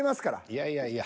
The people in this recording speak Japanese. いやいやいや。